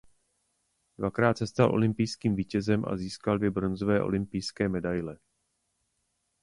Dvakrát se stal olympijským vítězem a získal dvě bronzové olympijské medaile.